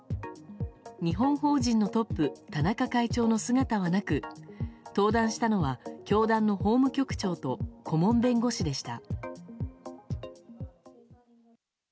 日本法人のトップ田中会長の姿はなく登壇したのは教団の法務局長と顧問弁護士でした。